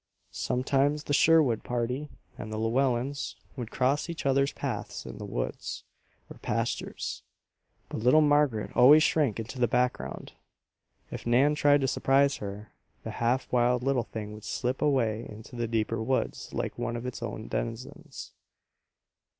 Sometimes the Sherwood party, and the Llewellens, would cross each others' paths in the woods, or pastures; but little Margaret always shrank into the background. If Nan tried to surprise her, the half wild little thing would slip away into the deeper woods like one of its own denizens.